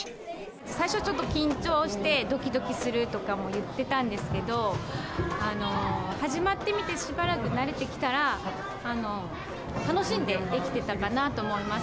最初ちょっと緊張して、どきどきするとかも言ってたんですけど、始まってみてしばらく慣れてきたら、楽しんでできてたかなと思います。